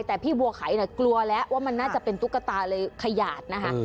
แต่พี่บัวไขเนี่ยกลัวแล้วว่ามันน่าจะเป็นตุ๊กตาเลยขยาดนะคะ